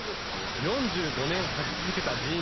４５年はき続けたジーンズ。